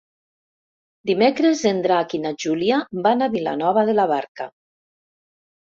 Dimecres en Drac i na Júlia van a Vilanova de la Barca.